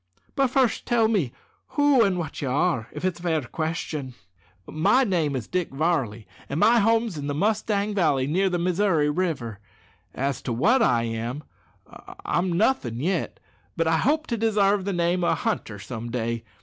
But first tell me who and what you are, if it's a fair question." "My name is Dick Varley, and my home's in the Mustang Valley, near the Missouri River. As to what I am I'm nothin' yet, but I hope to desarve the name o' a hunter some day.